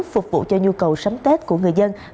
phục vụ cho nhu cầu sắm tết của người dân